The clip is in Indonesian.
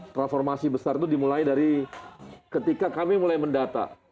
transformasi besar itu dimulai dari ketika kami mulai mendata